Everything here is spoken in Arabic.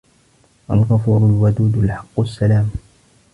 الغفور، الودود، الحق، السلام،